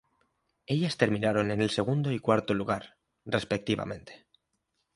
Ellas terminaron en el segundo y cuarto lugar, respectivamente.